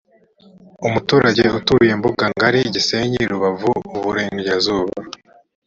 umuturage utuye mbugangari, gisenyi, rubavu, iburengerazuba